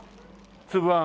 つぶあん。